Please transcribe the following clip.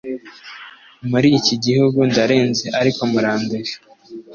muri iki gihugu ndarenze ariko murandusha